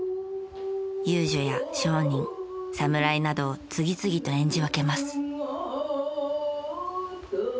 遊女や商人侍などを次々と演じ分けます。